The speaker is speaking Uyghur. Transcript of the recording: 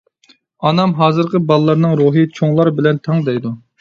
ئانام «ھازىرقى بالىلارنىڭ روھى چوڭلار بىلەن تەڭ» دەيدۇ.